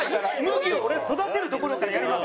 麦を俺育てるところからやります。